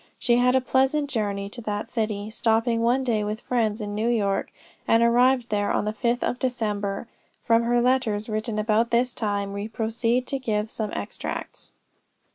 She had a pleasant journey to that city, stopping one day with friends in New York, and arrived there on the 5th of December. From her letters written about this time we proceed to give some extracts.